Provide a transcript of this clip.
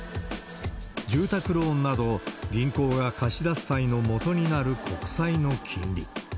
住宅ローンなど、銀行が貸し出す際の元になる国債の金利。